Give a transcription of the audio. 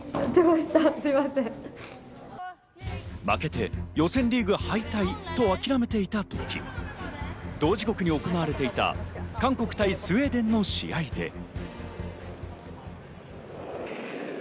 負けて予選リーグ敗退と諦めていた時、同時刻に行われていた韓国対スウェーデンの試合で。